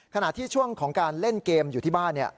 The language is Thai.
ขณะที่ช่วงของการเล่นเกมอยู่ที่บ้าน